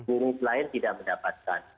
unit lain tidak mendapatkan